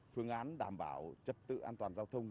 phương án đảm bảo trật tự an toàn giao thông